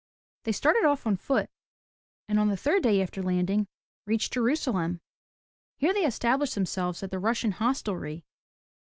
They started off on foot, and on the third day after landing, reached Jerusalem. Here they established themselves at the Russian Hostelry.